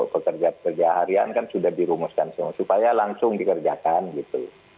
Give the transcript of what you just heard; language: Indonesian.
pekerja pekerja harian kan sudah dirumuskan semua supaya langsung dikerjakan gitu